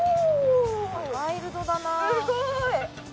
ワイルドだな。